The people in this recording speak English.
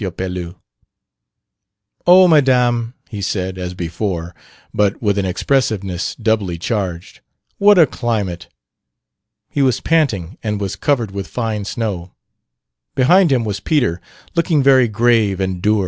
Pelouse. "Oh, Madame!" he said, as before, but with an expressiveness doubly charged, "what a climate!" He was panting and was covered with fine snow. Behind him was Peter, looking very grave and dour.